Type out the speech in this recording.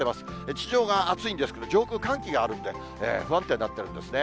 地上が暑いんですけれども、上空、寒気があるんで、不安定になってるんですね。